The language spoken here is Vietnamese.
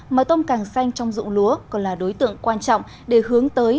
mà tôm càng xanh trong dụng lúa còn là đối tượng quan trọng để hướng tới